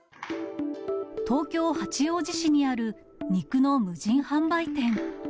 東京・八王子市にある肉の無人販売店。